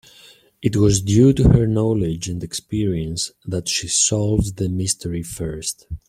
It was due to her knowledge and experience that she solved the mystery first.